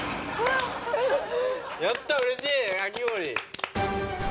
やったうれしいかき氷！